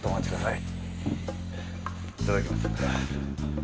いただきます。